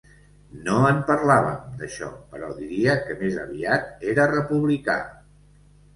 No en parlàvem, d'això, però diria que més aviat era republicà.